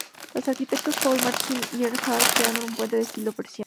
Los arquitectos Paul Martineau y Eric Haar crearon un puente de estilo parisino.